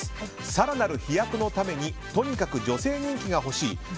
更なる飛躍のためにとにかく女性人気が欲しいＮＥＸＴ